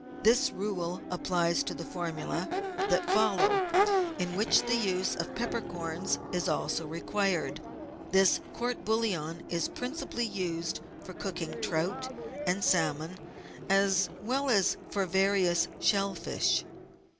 This rule also applies to the formula; that follow, in which the use of peppercorns is also required. This court bouillon is principally used for cooking trout and salmon, as well as for various shell fish.